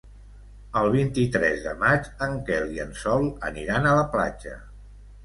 El vint-i-tres de maig en Quel i en Sol aniran a la platja.